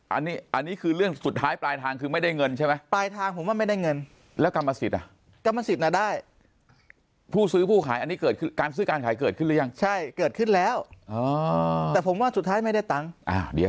อันนี้คือเรื่องสุดท้ายปลายทางคือไม่ได้เงินใช่ไหมปลายทางผมว่าไม่ได้เงิน